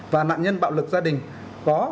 và nạn nhân bạo lực gia đình có